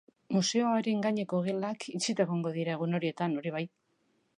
Museoaren gainerako gelak itxita egongo dira egun horietan, hori bai.